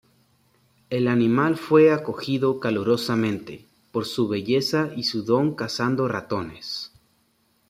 El animal fue acogido calurosamente, por su belleza y su don cazando ratones.